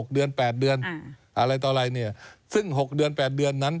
๙เดือน๑ปีไปถึง๒ปี